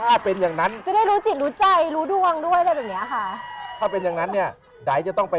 อะไรอย่างนี้